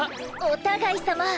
お互いさま！